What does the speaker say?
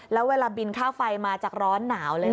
แล้วเวลาบินค่าไฟมาจากร้อนหนาวเลยนะ